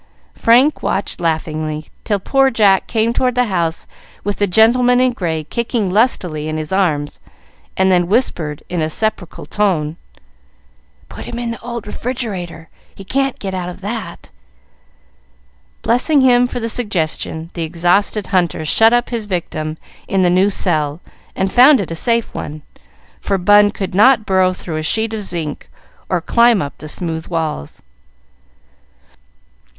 Frank watched laughingly, till poor Jack came toward the house with the gentleman in gray kicking lustily in his arms, and then whispered in a sepulchral tone, "Put him in the old refrigerator, he can't get out of that." Blessing him for the suggestion, the exhausted hunter shut up his victim in the new cell, and found it a safe one, for Bun could not burrow through a sheet of zinc, or climb up the smooth walls.